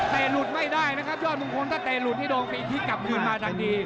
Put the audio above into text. เตะหลุดไม่ได้นะครับยอดมุมคงถ้าเตะหลุดนี่โดนอีกทีกลับมาดังดี